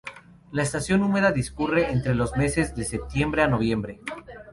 La estación húmeda discurre entre los meses de a septiembre a noviembre.